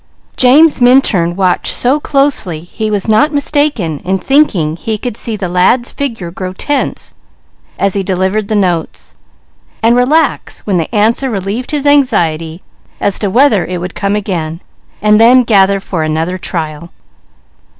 James Minturn watched so closely he was not mistaken in thinking he could see the lad's figure grow tense as he delivered the notes, and relax when the answer relieved his anxiety as to whether it would come again, and then gather for another trial.